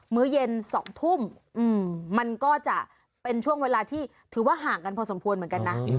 ื้อเย็น๒ทุ่มมันก็จะเป็นช่วงเวลาที่ถือว่าห่างกันพอสมควรเหมือนกันนะ